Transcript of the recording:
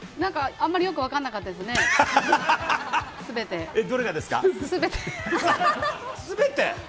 あまりよく分からなかったですね、全て。